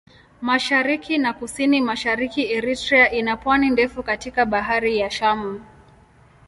Mashariki na Kusini-Mashariki Eritrea ina pwani ndefu katika Bahari ya Shamu.